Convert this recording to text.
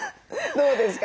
どうですか？